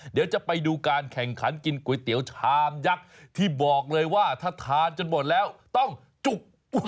เดี๋ยวจะไปดูการแข่งขันกินก๋วยเตี๋ยวชามยักษ์ที่บอกเลยว่าถ้าทานจนหมดแล้วต้องจุก